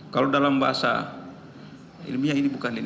kalau dalam bahasa ilmiah ini bukan